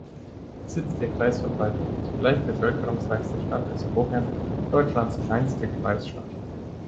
Sitz der Kreisverwaltung und zugleich bevölkerungsreichste Stadt ist Cochem, Deutschlands kleinste Kreisstadt.